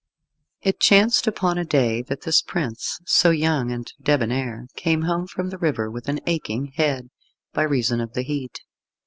It chanced upon a day that this prince, so young and debonair, came home from the river with an aching head, by reason of the heat.